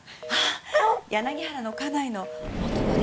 柳原の家内の元子です。